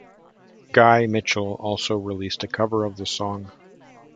Guy Mitchell also released a cover of the song.